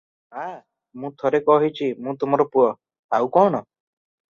ମା' ମୁଁ ଥରେ କହିଚି ମୁଁ ତମର ପୁଅ- ଆଉ କଣ?